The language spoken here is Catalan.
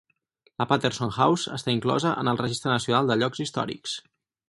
La Patterson House està inclosa en el Registre nacional de llocs històrics.